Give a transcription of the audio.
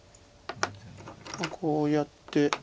こうやって。